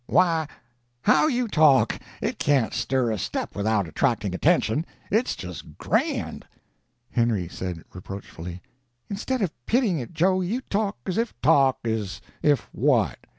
Why, how you talk! It can't stir a step without attracting attention. It's just grand!" Henry said, reproachfully: "Instead of pitying it, Joe, you talk as if " "Talk as if what?